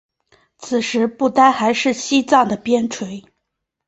此时不丹还是西藏的边陲。